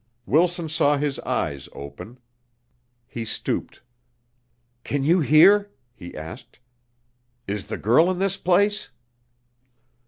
Wilson saw his eyes open. He stooped: "Can you hear?" he asked. "Is the girl in this place?"